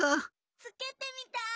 つけてみたい！